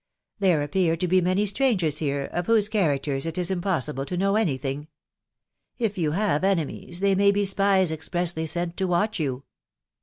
There appear to be many strangers here, of whose characters it is impossible to know any thing ..,. If you have enemies, they may be spies ex pressly sent to watch you."